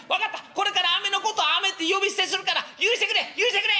これからアメのことアメって呼び捨てするから許してくれ許してくれ！」。